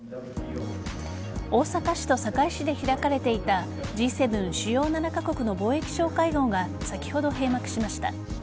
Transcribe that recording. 大阪市と堺市で開かれていたＧ７＝主要７カ国の貿易相会合が先ほど閉幕しました。